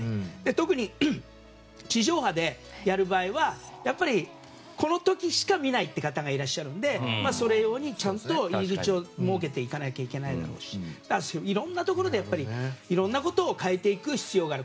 特に、地上波でやる場合はこの時しか見ないという方がいらっしゃるのでそれ用に、ちゃんと入り口を設けていかないといけないだろうしいろんなところでいろんなことを変えていく必要がある。